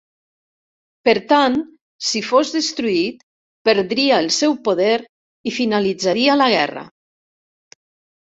Per tant, si fos destruït, perdria el seu poder i finalitzaria la guerra.